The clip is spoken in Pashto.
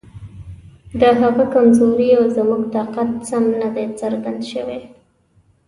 د هغه کمزوري او زموږ طاقت سم نه دی څرګند شوی.